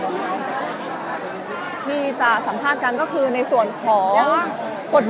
และที่อยู่ด้านหลังคุณยิ่งรักนะคะก็คือนางสาวคัตยาสวัสดีผลนะคะ